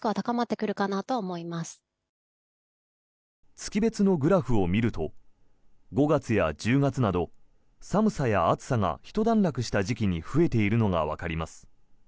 月別のグラフを見ると５月や１０月など寒さや暑さがひと段落した時期に増えているのがわかります。